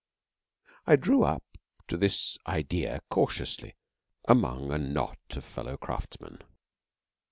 I drew up to this idea cautiously among a knot of fellow craftsmen.